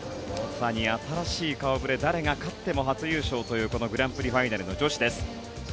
新しい顔触れ誰が勝っても初優勝というこのグランプリファイナルの女子です。